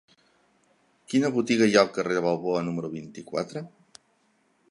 Quina botiga hi ha al carrer de Balboa número vint-i-quatre?